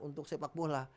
untuk sepak bola